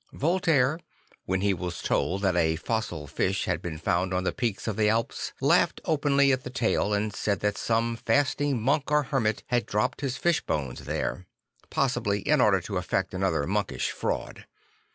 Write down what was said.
Voltaire, when he was told that a fossil fish had been found on the peaks of the Alps, laughed openly at the tale and said that some fasting monk or hermit had dropped his fish bones there; possibly in order to effect another monkish fraud.